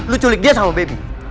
lu culik dia sama baby